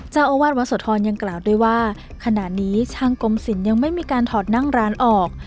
เจ้าอาวาสวัดโสธรยังกล่าวด้วยว่าขณะนี้ช่างกรมศิลป์ยังไม่มีการถอดนั่งร้านออก